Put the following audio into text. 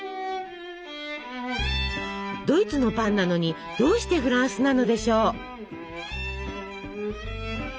ドイツのパンなのにどうしてフランスなのでしょう？